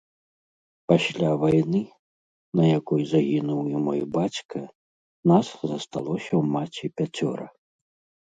Пасля вайны, на якой загінуў і мой бацька, нас засталося ў маці пяцёра.